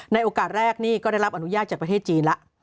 โอกาสแรกนี่ก็ได้รับอนุญาตจากประเทศจีนแล้ว